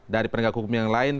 dari penegak hukum yang lain